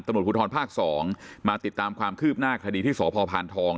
ตำรวจภูทรภาค๒มาติดตามความคืบหน้าคดีที่สพพานทอง